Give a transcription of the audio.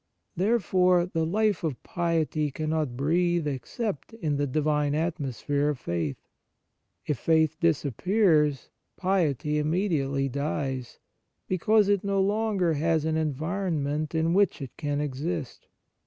Therefore the life of piety cannot breathe except in the divine atmo sphere of faith. If faith disappears, piety immediately dies, because it no longer has an environment in which it can exist.